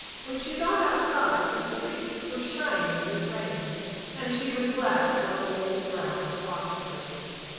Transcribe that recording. When she got outside the streets were shining with rain and she was glad of her old brown waterproof.